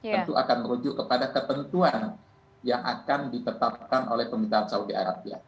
tentu akan merujuk kepada ketentuan yang akan ditetapkan oleh pemerintahan saudi arabia